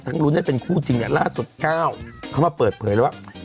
ลุ้นให้เป็นคู่จริงเนี่ยล่าสุด๙เขามาเปิดเผยแล้วว่า